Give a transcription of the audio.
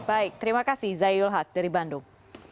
baik terima kasih zayul haq dari bandung